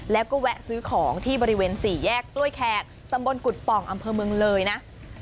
แล้วก็แวะซื้อของที่บริเวณ๔แยกกล้วยแขกตำบลกุฎป่องอำเภอเมืองเลยนะ